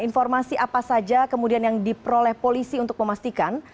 informasi apa saja kemudian yang diperoleh polisi untuk memastikan